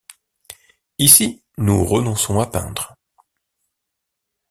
Ici nous renonçons à peindre.